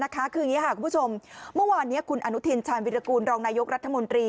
คืออย่างนี้ค่ะคุณผู้ชมเมื่อวานนี้คุณอนุทินชาญวิรากูลรองนายกรัฐมนตรี